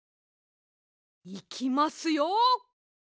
いきますよ。